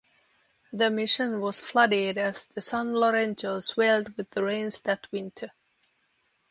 The mission was flooded as the San Lorenzo swelled with the rains that winter.